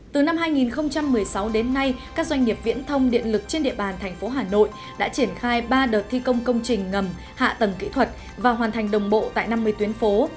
từ năm hai nghìn một mươi sáu đến nay các doanh nghiệp viễn thông điện lực trên địa bàn thành phố hà nội đã triển khai ba đợt thi công công trình ngầm hạ tầng kỹ thuật và hoàn thành đồng bộ tại năm mươi tuyến phố